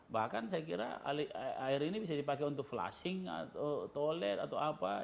bahkan saya kira air ini bisa dipakai untuk flushing atau toilet atau apa